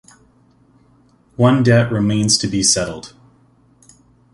One debt remains to be settled.